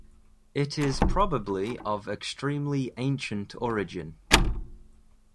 It is probably of extremely ancient origin.